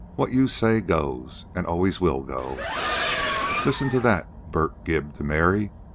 What you say goes, and always will go." "Listen to that!" Bert gibed to Mary.